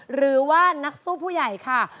หรือว่านักสู้ผู้ใหญ่ค่ะ